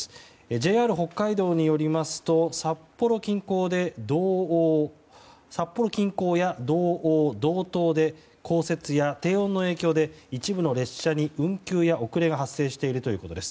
ＪＲ北海道によりますと札幌近郊や道央、道東で降雪や低温の影響で一部の列車に運休や遅れが発生しているということです。